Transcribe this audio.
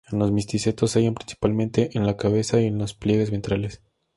En los misticetos se hallan principalmente en la cabeza y en los pliegues ventrales.